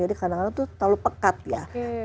jadi kadang kadang itu terlalu pekat ya